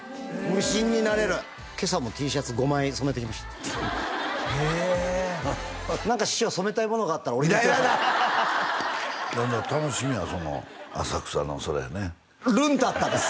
無心になれる今朝もＴシャツ５枚染めてきましたへえ何か師匠染めたいものがあったら俺に言ってください楽しみやわその浅草のそれね「ルンタッタ」です！